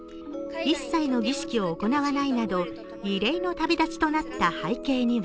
一切の儀式を行わないなど、異例の旅立ちとなった背景には